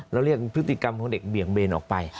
แล้วเรียกพฤติกรรมของเด็กเบี่ยงเบนออกไป